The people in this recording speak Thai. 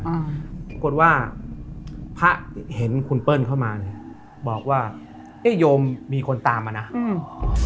อืมปรากฏว่าพระเห็นคุณเปิ้ลเข้ามาเนี้ยบอกว่าเอ๊ะโยมมีคนตามมานะอืม